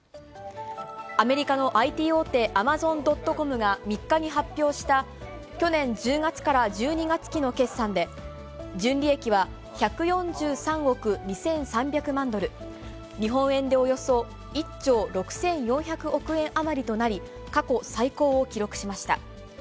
アメリカのＩＴ大手、アマゾン・ドット・コムが３日に発表した、去年１０月から１２月期の決算で、純利益は１４３億２３００万ドル、日本円でおよそ１兆６４００億円余りとなり、過去最高を記録しました。